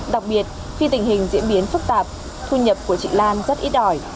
đặc biệt khi tình hình diễn biến phức tạp thu nhập của chị lan rất ít ỏi